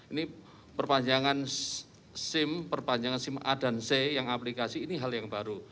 ini perpanjangan sim perpanjangan sim a dan c yang aplikasi ini hal yang baru